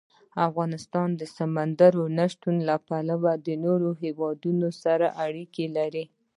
افغانستان د سمندر نه شتون له پلوه له نورو هېوادونو سره اړیکې لري.